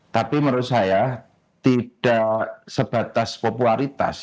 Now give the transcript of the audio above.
tapi menurut saya tidak sebatas popularitas